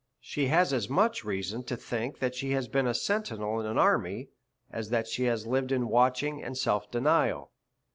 She has as much reason to think that she has been a sentinel in an army, as that she has lived in watching and self denial.